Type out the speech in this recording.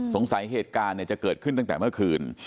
สงสัยเหตุการณ์เนี่ยจะเกิดขึ้นตั้งแต่เมื่อคืน